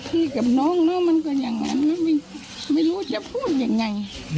พี่กับน้องเนอะมันก็อย่างนั้นไม่รู้จะพูดยังไง